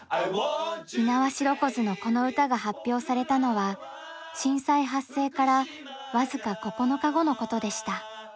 猪苗代湖ズのこの歌が発表されたのは震災発生から僅か９日後のことでした。